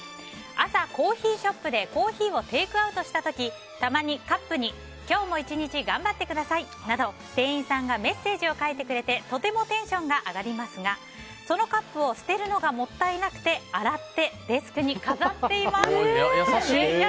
朝、コーヒーショップでコーヒーをテイクアウトした時たまにカップに今日も１日頑張ってくださいなど店員さんがメッセージを書いてくれてとてもテンションが上がりますがそのカップを捨てるのがもったいなくて洗ってデスクに優しい！